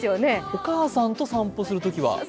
お母さんと散歩するときは。